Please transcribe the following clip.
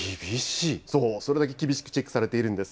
そう、それだけ厳しくチェックされているんです。